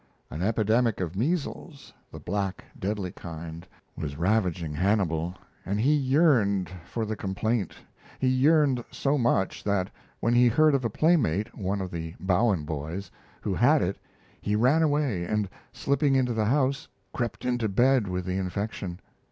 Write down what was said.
An epidemic of measles the black, deadly kind was ravaging Hannibal, and he yearned for the complaint. He yearned so much that when he heard of a playmate, one of the Bowen boys, who had it, he ran away and, slipping into the house, crept into bed with the infection.